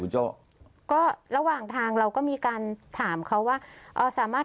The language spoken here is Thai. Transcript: คุณโจ้หลังทางเราก็มีการถามเขาว่าสามารถ